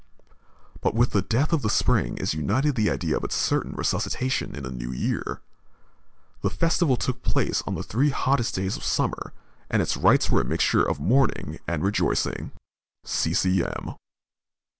But with the death of the spring is united the idea of its certain resuscitation in a new year. The festival took place on the three hottest days of summer, and its rites were a mixture of mourning and rejoicing. C. C. M.